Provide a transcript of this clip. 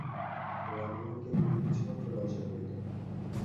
রামমােহনকে বিভা কিছুমাত্র লজ্জা করিত না।